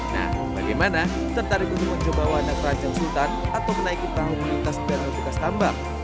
nah bagaimana tertarik untuk mencoba warna keranjang sultan atau menaiki perahu melintas dan bekas tambang